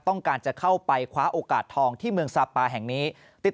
ต้องการจะเข้าไปคว้าโอกาสทองที่เมืองซาปาแห่งนี้ติด